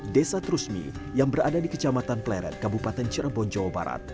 desa trusmi yang berada di kecamatan pleret kabupaten cirebon jawa barat